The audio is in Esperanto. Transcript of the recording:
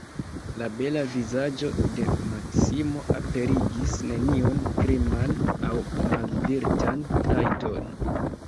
La bela vizaĝo de Maksimo aperigis neniun kriman aŭ malvirtan trajton.